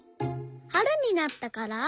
はるになったから？